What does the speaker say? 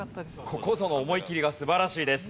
ここぞの思い切りが素晴らしいです。